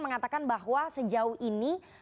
mengatakan bahwa sejauh ini